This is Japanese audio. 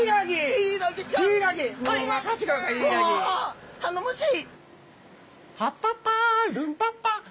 お頼もしい！